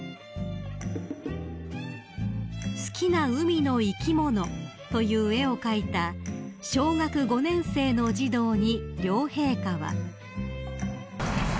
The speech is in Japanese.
［『好きな海のいきもの』という絵を描いた小学５年生の児童に両陛下は］